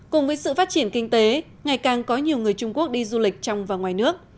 cùng với sự phát triển kinh tế ngày càng có nhiều người trung quốc đi du lịch trong và ngoài nước